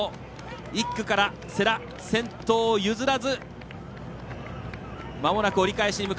１区から世羅先頭を譲らずまもなく折り返し。